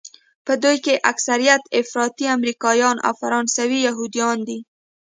په دوی کې اکثریت افراطي امریکایان او فرانسوي یهودیان دي.